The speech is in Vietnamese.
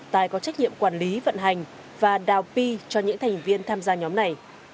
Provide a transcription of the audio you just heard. tài có trách nhiệm quản lý vận hành và đào pi cho những thành viên tham gia nhóm này